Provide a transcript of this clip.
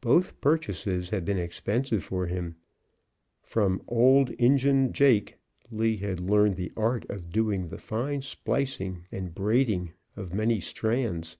Both purchases had been expensive for him. From "Old Injun Jake" Lee had learned the art of doing fine splicing and of braiding many strands.